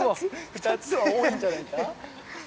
２つは多いんじゃないか？